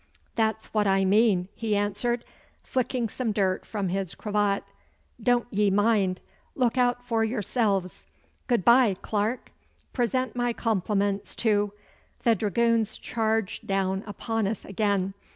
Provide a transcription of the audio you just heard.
'That's what I mean,' he answered, flicking some dirt from his cravat. 'Don't ye mind! Look out for yourselves. Goodbye, Clarke! Present my compliments to ' The dragoons charged down upon us again.